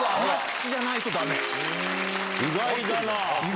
意外だなぁ。